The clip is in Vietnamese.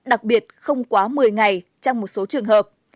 đặc biệt không quá một mươi ngày trong một số trường hợp